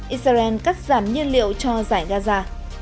israel cắt giảm nhiên liệu cho giải gaza